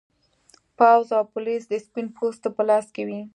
پوځ او پولیس د سپین پوستو په لاس کې و.